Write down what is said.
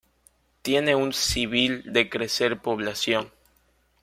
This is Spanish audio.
Tiene un civil de crecer población.